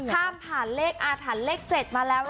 ข้ามผ่านเลขอาถรรพ์เลข๗มาแล้ว